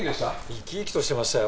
生き生きとしてましたよ。